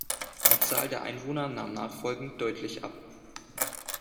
Die Zahl der Einwohner nahm nachfolgend deutlich ab.